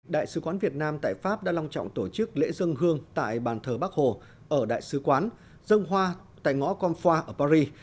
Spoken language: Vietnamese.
đại sứ quán việt nam tại pháp đã long trọng tổ chức lễ dân hương tại bàn thờ bác hồ ở đại sứ quán dân hoa tại ngõ konfa ở paris